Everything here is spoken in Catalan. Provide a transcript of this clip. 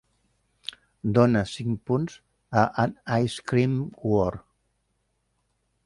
Dona cinc punts a An Ice-Cream War.